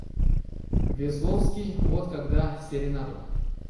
Весловский, вот когда серенаду.